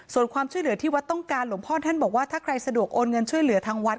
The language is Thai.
ส่วนความช่วยเหลือที่วัดต้องการหลวงพ่อท่านบอกว่าถ้าใครสะดวกโอนเงินช่วยเหลือทางวัด